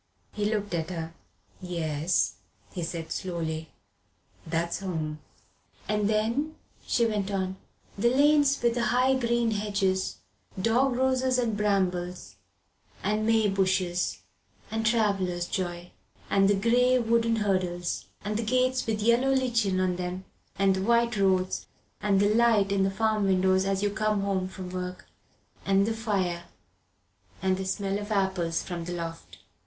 He looked at her. "Yes," he said slowly, "that's home." "And then," she went on, "the lanes with the high green hedges, dog roses and brambles and may bushes and traveller's joy and the grey wooden hurdles, and the gates with yellow lichen on them, and the white roads and the light in the farm windows as you come home from work and the fire and the smell of apples from the loft."